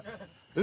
え！